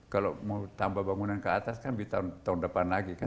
kalau mau tambah bangunan ke atas kan di tahun depan lagi kan